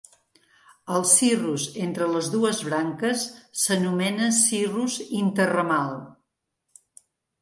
El cirrus entre les dues branques s'anomena cirrus interramal.